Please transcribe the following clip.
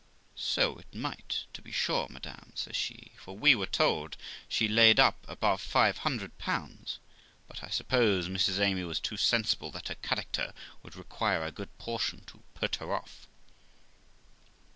'So it might, to be sure, madam', says she, 'for we were told she laid up above 500; but, I suppose, Mrs Amy was too sensible that her character would require a good portion to put her off.'